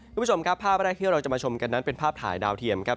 คุณผู้ชมครับภาพแรกที่เราจะมาชมกันนั้นเป็นภาพถ่ายดาวเทียมครับ